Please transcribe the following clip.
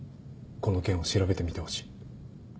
この件を調べてみてほしい。